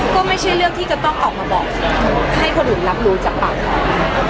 ก็ไม่ใช่เรื่องที่จะต้องออกมาบอกให้คนอื่นรับรู้จากปากของ